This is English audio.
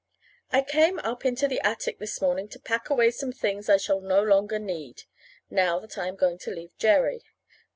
I came up into the attic this morning to pack away some things I shall no longer need, now that I am going to leave Jerry.